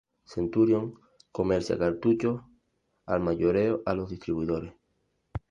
Centurion comercia cartuchos al mayoreo a los distribuidores.